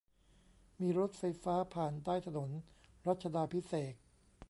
มีรถไฟฟ้าผ่านใต้ถนนรัชดาภิเษก